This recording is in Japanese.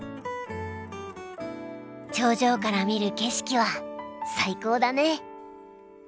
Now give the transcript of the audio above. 頂上から見る景色は最高だね。